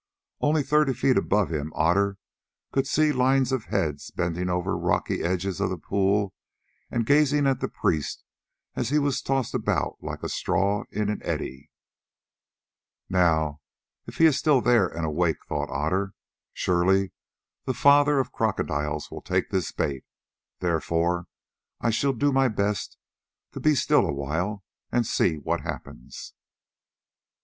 Only thirty feet above him Otter could see lines of heads bending over the rocky edges of the pool and gazing at the priest as he was tossed about like a straw in an eddy. "Now, if he is still there and awake," thought Otter, "surely the father of crocodiles will take this bait; therefore I shall do best to be still awhile and see what happens."